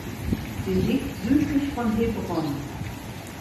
Sie liegt südlich von Hebron.